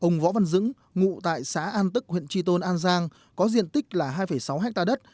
ông võ văn dững ngụ tại xã an tức huyện tri tôn an giang có diện tích là hai sáu hectare đất